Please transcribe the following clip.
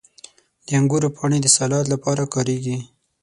• د انګورو پاڼې د سالاد لپاره کارېږي.